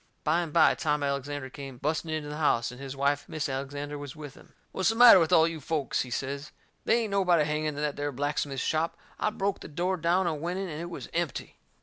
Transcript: By and by Tom Alexander come busting into the house, and his wife, Mis' Alexander, was with him. "What's the matter with all you folks," he says. "They ain't nobody hanging in that there blacksmith shop. I broke the door down and went in, and it was empty."